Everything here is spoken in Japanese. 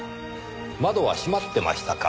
窓は閉まってましたか。